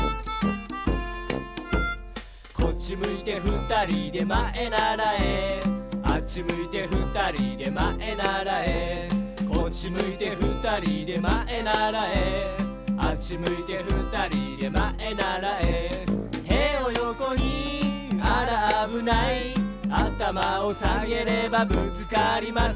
「こっちむいてふたりでまえならえ」「あっちむいてふたりでまえならえ」「こっちむいてふたりでまえならえ」「あっちむいてふたりでまえならえ」「てをよこにあらあぶない」「あたまをさげればぶつかりません」